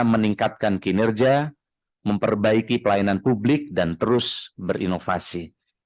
meningkatkan kinerja memperbaiki pelayanan publik dan terus berinovasi